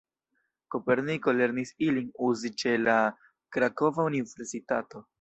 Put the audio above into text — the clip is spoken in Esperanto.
Koperniko lernis ilin uzi ĉe la Krakova universitato.